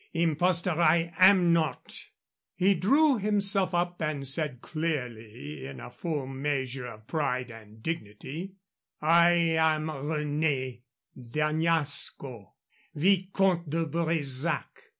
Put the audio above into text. Impostor I am not." He drew himself up and said, clearly, in a full measure of pride and dignity, "I am René de Añasco, Vicomte de Bresac."